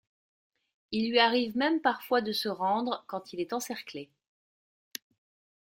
Il lui arrive même parfois de se rendre quand il est encerclé.